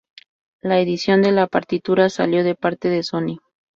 La Edición de la partitura salió de parte de Sony.